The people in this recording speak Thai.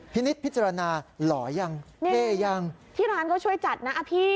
พินิษฐ์พิจารณาหล่อยังเท่อยังที่ร้านเขาช่วยจัดนะอ่ะพี่